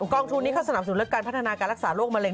กองทุนนี้เขาสนับสนุนและการพัฒนาการรักษาโรคมะเร็